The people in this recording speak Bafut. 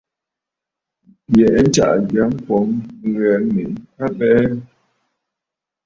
Yɛ̀ʼɛ̀ ntsaʼà jya ŋkwòŋ ŋghɛ mèʼê abɛɛ.